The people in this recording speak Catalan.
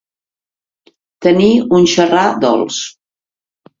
Tenir un xerrar dolç.